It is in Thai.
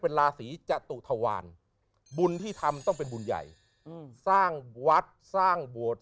เป็นราศีจตุทวารบุญที่ทำต้องเป็นบุญใหญ่สร้างวัดสร้างโบสถ์